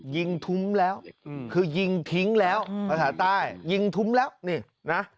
ทุ้มแล้วคือยิงทิ้งแล้วภาษาใต้ยิงทุ้มแล้วนี่นะ